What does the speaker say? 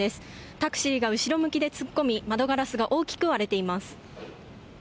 タクシーが後ろ向きで突っ込み、窓ガラスが大きく割れています。